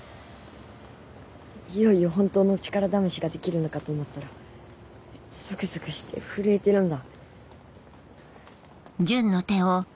いよいよ本当の力試しができるのかと思ったらゾクゾクして震えてるんだ